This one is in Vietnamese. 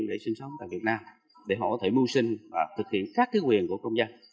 để sinh sống tại việt nam để họ có thể mưu sinh và thực hiện các quyền của công dân